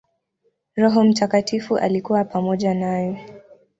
Roho Mtakatifu alikuwa pamoja naye.